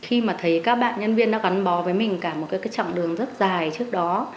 khi mà thấy các bạn nhân viên nó gắn bó với mình cả một cái chặng đường rất dài trước đó